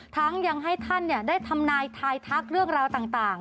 ทั้งยังให้ท่านได้ทำนายทายทักเรื่องราวต่าง